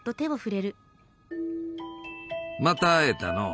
また会えたのう。